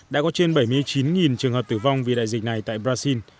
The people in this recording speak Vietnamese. đã có trên bảy mươi chín trường hợp tử vong vì đại dịch này tại brazil